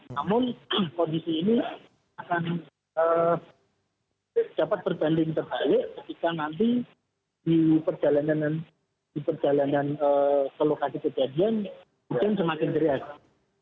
namun kondisi ini akan dapat berbanding terbalik ketika nanti di perjalanan ke lokasi kejadian hujan semakin deras